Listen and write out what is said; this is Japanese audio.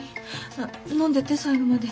飲んでって最後まで。